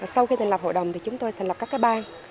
sau khi thành lập hội đồng thì chúng tôi thành lập các bang